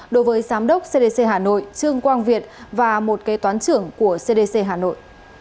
đối với giám đốc cdc hà nội trương quang việt và một kế toán trưởng của cdc hà nội